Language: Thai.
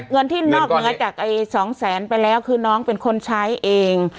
เงินที่นอกเหนือจาก๒แสนไปแล้วคือน้องเป็นคนใช้เอง